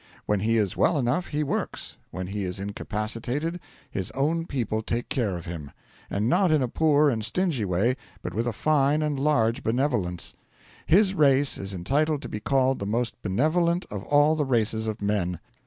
When he is well enough, he works; when he is incapacitated, his own people take care of him. And not in a poor and stingy way, but with a fine and large benevolence. His race is entitled to be called the most benevolent of all the races of men.